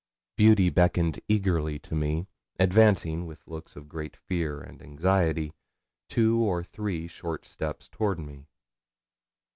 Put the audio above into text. Beauty beckoned eagerly to me, advancing, with looks of great fear and anxiety, two or three short steps toward me.